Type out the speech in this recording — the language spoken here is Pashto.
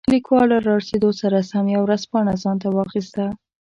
لیکوال له رارسېدو سره سم یوه ورځپاڼه ځانته واخیسته.